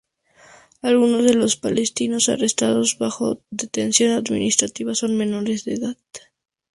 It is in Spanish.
Algunos de los palestinos arrestados bajo detención administrativa son menores de edad.